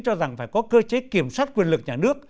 cho rằng phải có cơ chế kiểm soát quyền lực nhà nước